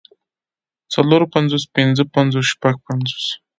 څلور پنځوس پنځۀ پنځوس شپږ پنځوس